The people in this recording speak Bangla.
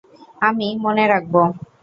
আমি মনে রাখবো!